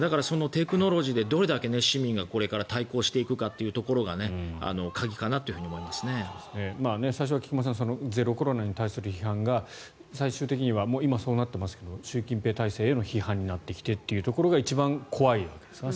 テクノロジーでどれだけ市民がこれから対抗していくかというところが最初は菊間さんゼロコロナに対する批判が最終的には今、そうなっていますが習近平体制への批判になってきてというところが一番怖いですよね